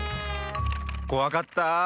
こわかったあ。